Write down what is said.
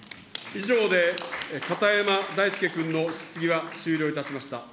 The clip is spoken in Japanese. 以上で、片山大介君の質疑は終了いたしました。